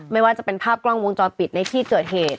ไม่ว่าจะเป็นภาพกล้องวงจรปิดในที่เกิดเหตุ